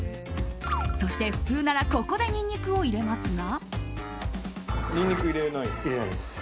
そして、普通ならここでニンニクを入れますが。